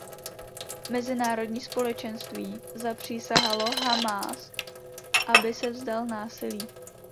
Mezinárodní společenství zapřísahalo Hamás, aby se vzdal násilí.